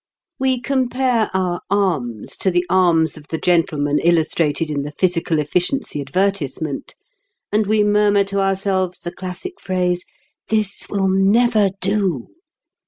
We compare our arms to the arms of the gentleman illustrated in the physical efficiency advertisement, and we murmur to ourselves the classic phrase: "This will never do."